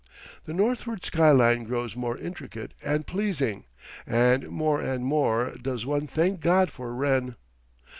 The northward skyline grows more intricate and pleasing, and more and more does one thank God for Wren.